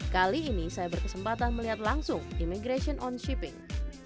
kali ini saya berkesempatan melihat langsung immigration on shipping